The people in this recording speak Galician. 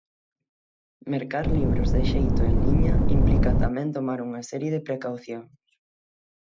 Mercar libros de xeito en liña implica tamén tomar unha serie de precaucións.